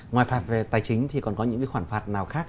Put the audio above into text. ngoài phạt về tài chính thì còn có những cái khoản phạt nào khác